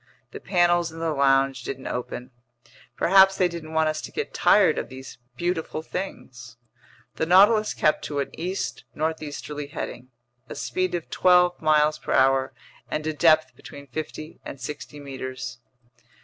The panels in the lounge didn't open. Perhaps they didn't want us to get tired of these beautiful things. The Nautilus kept to an east northeasterly heading, a speed of twelve miles per hour, and a depth between fifty and sixty meters.